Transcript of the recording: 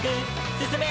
すすめ！